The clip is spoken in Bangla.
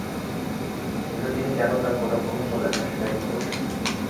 কিন্তু তিনি কেন তাঁর কোটা পূর্ণ করলেন না, সেটা একটা প্রশ্ন।